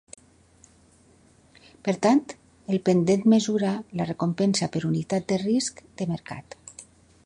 Per tant, el pendent mesura la recompensa per unitat de risc de mercat.